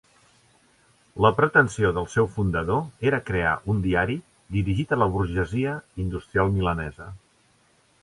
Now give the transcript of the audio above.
La pretensió del seu fundador era crear un diari dirigit a la burgesia industrial milanesa.